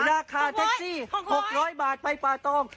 ราคาแท็กซี่๖๐๐บาทไปป่าตอง